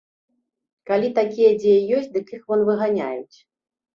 Калі такія дзе і ёсць, дык іх вон выганяюць.